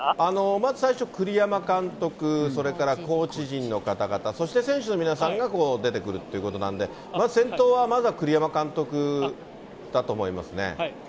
まず最初、栗山監督、それからコーチ陣の方々、そして選手の皆さんが出てくるっていうことなんで、まず先頭は、先頭はまずは栗山監督だと思いますね。